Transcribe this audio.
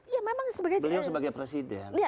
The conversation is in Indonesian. ya memang sebagai calon beliau sebagai presiden